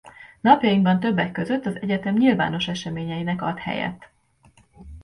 Napjainkban többek között az egyetem nyilvános eseményeinek ad helyet.